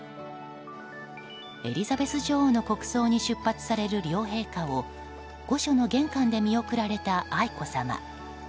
エリザベス女王の国葬に出発される両陛下を御所の玄関で見送られた愛子さま。